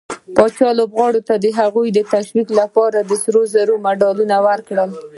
پاچا لوبغارو ته د هغوي د تشويق لپاره د سروزرو مډالونه ورکړل.